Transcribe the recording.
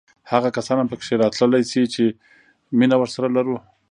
هغه کسان هم پکې راتللی شي چې مینه ورسره لرو.